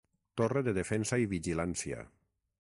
Torre de defensa i vigilància.